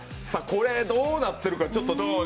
これ、どうなってるか。